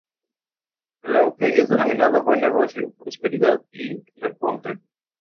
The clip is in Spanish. El auge es denominado buen negocio, prosperidad, y repunte.